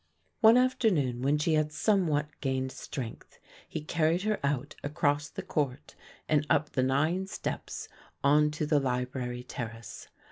One afternoon when she had somewhat gained strength, he carried her out across the court and up the nine steps on to the library terrace.